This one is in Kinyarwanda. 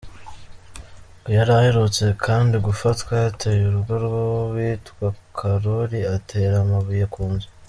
Ngo yari aherutse kandi gufatwa yateye urugo rw’uwitwa Karori atera amabuye ku nzu.